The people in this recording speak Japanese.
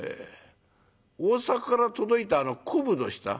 大阪から届いた昆布どうした？」。